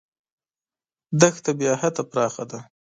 دښته بېحده پراخه ده.